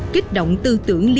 kích động tư tưởng